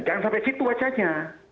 jangan sampai situ wacanya